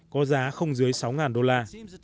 có giá không dưới sáu đô la